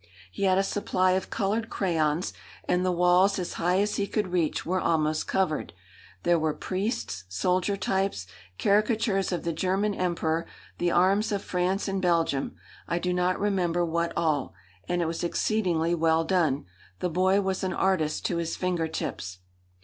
He had a supply of coloured crayons, and the walls as high as he could reach were almost covered. There were priests, soldier types, caricatures of the German Emperor, the arms of France and Belgium I do not remember what all. And it was exceedingly well done. The boy was an artist to his finger tips.